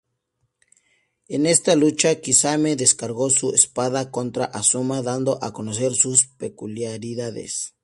En esta lucha, Kisame descargó su espada contra Asuma, dando a conocer sus peculiaridades.